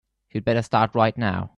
You'd better start right now.